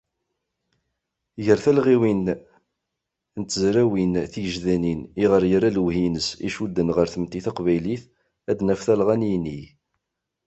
Gr talɣiwin n tezrawin tigejdanin iɣer yerra lewhi-ines i icudden ɣer tmetti taqbaylit, ad naf talɣa n yinig.